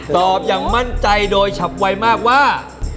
ตอบอย่างมั่นใจโดยฉับไวมากว่า